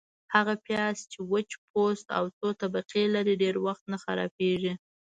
- هغه پیاز چي وچ پوست او څو طبقې لري، ډېر وخت نه خرابیږي.